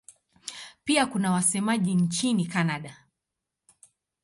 Pia kuna wasemaji nchini Kanada.